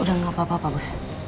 udah nggak apa apa pak bos